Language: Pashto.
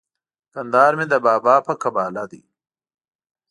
کندهار مي د بابا په قباله دی